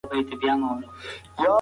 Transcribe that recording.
آیا ټولنپوهنه د ټولو علومو پوهنه ده؟